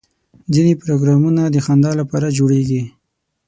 ځینې پروګرامونه د خندا لپاره جوړېږي.